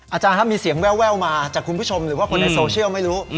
อาจารย์ครับมีเสียงแววมาจากคุณผู้ชมหรือว่าคนในโซเชียลไม่รู้